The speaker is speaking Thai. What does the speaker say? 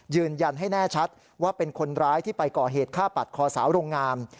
ยืนยันให้แน่ชัดว่าเป็นคนร้ายที่ไปก่อเหตุฆ่าปัดคอสาวโรงงาน